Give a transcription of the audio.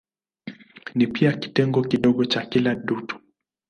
Ni pia kitengo kidogo cha kila dutu.